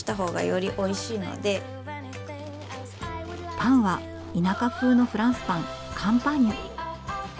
パンは田舎風のフランスパンカンパーニュ。